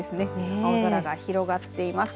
青空が広がっています。